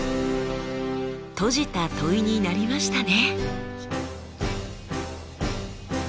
閉じた問いになりましたね。